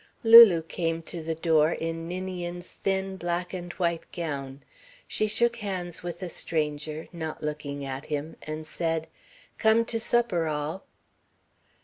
Lulu came to the door in Ninian's thin black and white gown. She shook hands with the stranger, not looking at him, and said, "Come to supper, all."